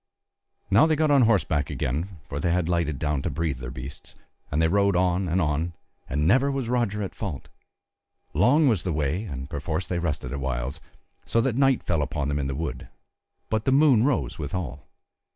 Now they got on horseback again, for they had lighted down to breathe their beasts, and they rode on and on, and never was Roger at fault: long was the way and perforce they rested at whiles, so that night fell upon them in the wood, but the moon rose withal.